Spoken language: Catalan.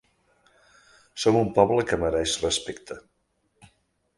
Som un poble que mereix respecte.